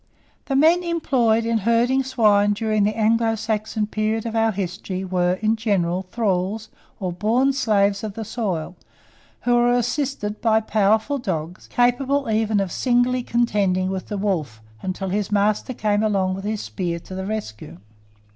The men employed in herding swine during the Anglo Saxon period of our history were, in general, thralls or born slaves of the soil, who were assisted by powerful dogs, capable even of singly contending with the wolf until his master came with his spear to the rescue.